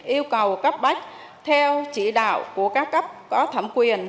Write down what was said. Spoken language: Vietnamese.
yêu cầu cấp bách theo chỉ đạo của các cấp có thẩm quyền